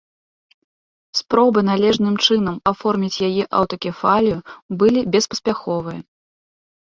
Спробы належным чынам аформіць яе аўтакефалію былі беспаспяховыя.